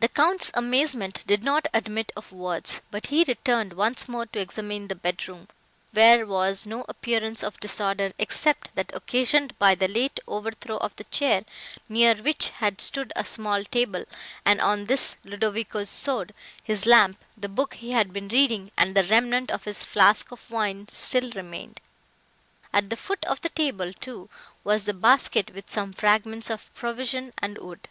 The Count's amazement did not admit of words; but he returned once more to examine the bedroom, where was no appearance of disorder, except that occasioned by the late overthrow of the chair, near which had stood a small table, and on this Ludovico's sword, his lamp, the book he had been reading, and the remnant of his flask of wine still remained. At the foot of the table, too, was the basket with some fragments of provision and wood.